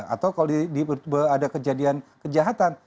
atau kalau ada kejadian kejahatan